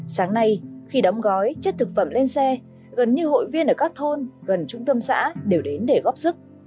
sáng nay khi đóng gói chất thực phẩm lên xe gần như hội viên ở các thôn gần trung tâm xã đều đến để góp sức